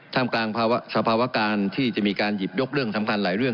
ทำกลางสภาวะการที่จะมีการหยิบยกเรื่องสำคัญหลายเรื่อง